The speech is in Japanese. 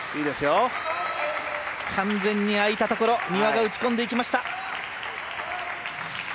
完全に空いたところ丹羽が打ち込んでいきました。